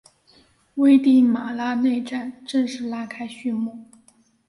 危地马拉内战正式拉开序幕。